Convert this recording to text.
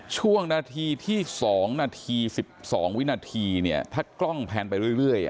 ช่วงนาทีที่๒นาที๑๒วินาทีเนี่ยถ้ากล้องแพนไปเรื่อย